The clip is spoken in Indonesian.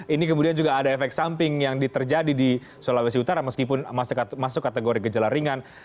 ini kemudian juga ada efek samping yang terjadi di sulawesi utara meskipun masuk kategori gejala ringan